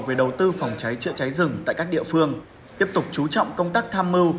về đầu tư phòng cháy chữa cháy rừng tại các địa phương tiếp tục chú trọng công tác tham mưu